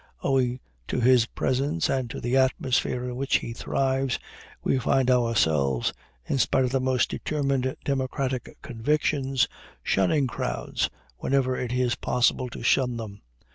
Owing to his presence and to the atmosphere in which he thrives, we find ourselves, in spite of the most determined democratic convictions, shunning crowds whenever it is possible to shun them.